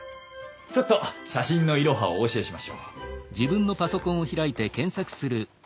ちょっと写真のイロハをお教えしましょう。